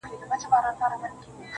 خوني خنجر نه دى چي څوك يې پـټ كــړي~